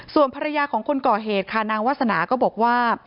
ส่วนภรรยาของคนก่อเหตุค่ะนางวาสนาก็บอกว่า